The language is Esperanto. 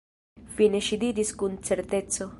Fine ŝi diris kun certeco: